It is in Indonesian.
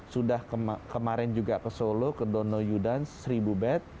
sudah kemarin juga ke solo ke dono yudan seribu bed